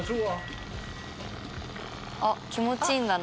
あっ気持ちいいんだな。